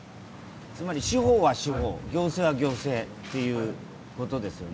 つまり、司法は司法行政は行政ということですよね